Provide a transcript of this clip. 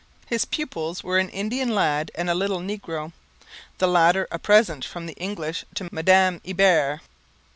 His pupils were an Indian lad and a little negro, the latter a present from the English to Madame Hebert.